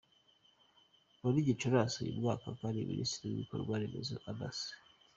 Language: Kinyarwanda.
Muri Gicurasi uyu mwaka kandi Minisitiri w’Ibikorwa remezo, Amb.